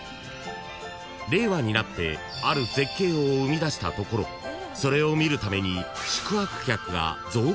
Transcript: ［令和になってある絶景を生み出したところそれを見るために］